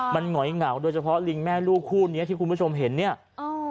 มันหงอยเหงาโดยเฉพาะลิงแม่ลูกคู่เนี้ยที่คุณผู้ชมเห็นเนี้ยอ้าว